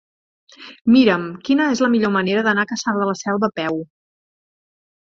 Mira'm quina és la millor manera d'anar a Cassà de la Selva a peu.